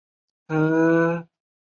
母叶氏。